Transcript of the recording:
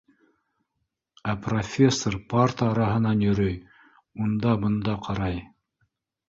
Ә профессор парта араһынан йөрөй, унда-бында ҡарай.